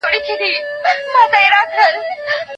دا نوی موبایل تر ټولو پخوانیو ماډلونو ډېر پیاوړی او سپک دی.